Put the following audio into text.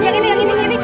yang ini yang ini